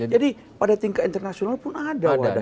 jadi pada tingkat internasional pun ada